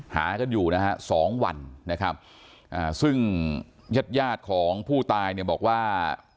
หาก็อยู่นะฮะ๒วันนะครับซึ่งยัดยาตรของผู้ตายเนี่ยบอกว่า